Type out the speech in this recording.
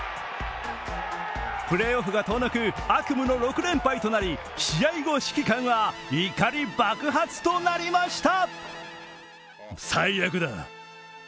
プレーオフが遠のく悪夢の６連敗となり、試合後、指揮官は怒り爆発となりました。